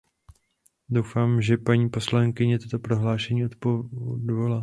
Doufám, že paní poslankyně toto prohlášení odvolá.